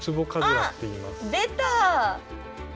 あっ出た！